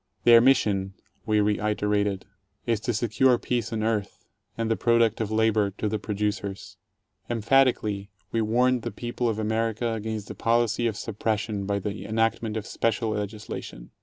Their mission, we reiterated, is to secure peace on earth, and the product of labor to the producers. Emphatically we warned the people of America against the policy of suppression by the enactment of special legislation.